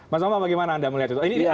mas bambang bagaimana anda melihat itu